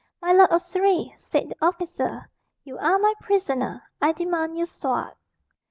"My lord of Surrey," said the officer, "you are my prisoner. I demand your sword."